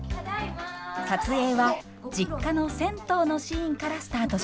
撮影は実家の銭湯のシーンからスタートしました。